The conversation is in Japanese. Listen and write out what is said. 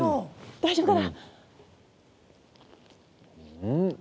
大丈夫かな。